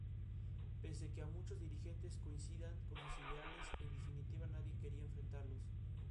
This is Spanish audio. Fue nominado al Premio Emmy por su trabajo como director en "My Horrible Year!